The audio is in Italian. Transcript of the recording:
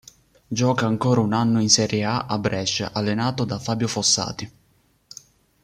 Gioca ancora un anno in serie A a Brescia, allenato da Fabio Fossati.